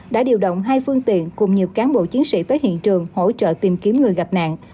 đã điều động hai phương tiện cùng nhiều cán bộ chiến sĩ tới hiện trường hỗ trợ tìm kiếm người gặp nạn